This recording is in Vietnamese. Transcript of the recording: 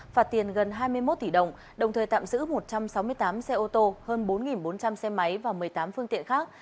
phạt tiền gần hai mươi một tỷ đồng đồng thời tạm giữ một trăm sáu mươi tám xe ô tô hơn bốn bốn trăm linh xe máy và một mươi tám phương tiện khác